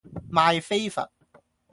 賣飛佛